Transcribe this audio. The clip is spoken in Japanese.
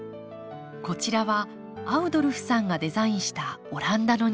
こちらはアウドルフさんがデザインしたオランダの庭。